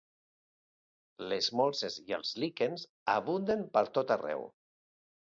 Les molses i els líquens abunden per tot arreu.